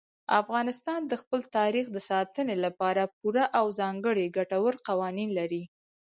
افغانستان د خپل تاریخ د ساتنې لپاره پوره او ځانګړي ګټور قوانین لري.